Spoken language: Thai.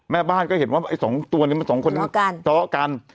แม่บ้านก็เห็นว่าไอ้สองตัวนี้มันสองคนนี้เจาะกัน